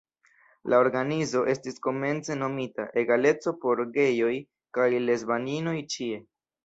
La organizo estis komence nomita "Egaleco por gejoj kaj lesbaninoj ĉie".